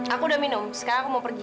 aku udah minum sekarang aku mau pergi